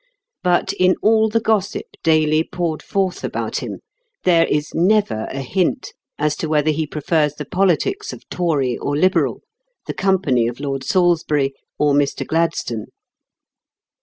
But in all the gossip daily poured forth about him there is never a hint as to whether he prefers the politics of Tory or Liberal, the company of Lord Salisbury or Mr. Gladstone.